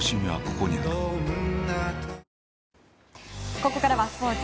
ここからはスポーツ。